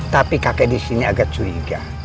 tapi kakek disini agak curiga